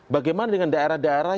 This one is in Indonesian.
bagaimana dengan daerah daerah